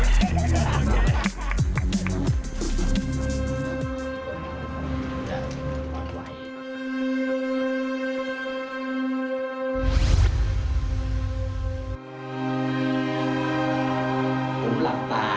แล้วก็กำหนดทิศทางของวงการฟุตบอลในอนาคต